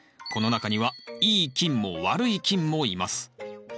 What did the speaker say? この中にはいい菌も悪い菌もいます。